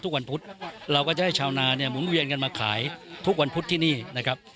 ทุกวันพุธเราก็จะให้ชาวนาเนี่ยหมุนเวียนกันมาขายทุกวันพุธที่นี่นะครับ